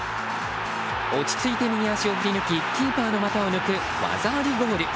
落ち着いて右足を振りぬきキーパーの股を抜く技ありゴール。